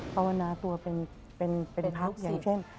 ประวณาตัวเป็นภาพอย่างเช่น